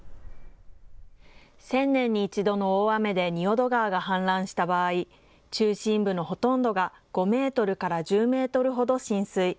１０００年に一度の大雨で仁淀川が氾濫した場合、中心部のほとんどが５メートルから１０メートルほど浸水。